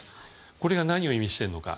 これが何を意味しているのか。